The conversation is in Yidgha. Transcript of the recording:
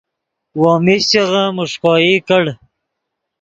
وو میشچغے میݰکوئی کڑ